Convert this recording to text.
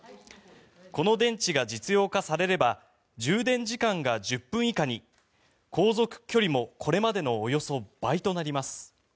この電池が実用化されれば充電時間が１０分以下に航続距離もこれまでのおよそ倍となります。